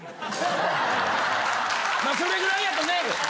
まあそれぐらいやとね。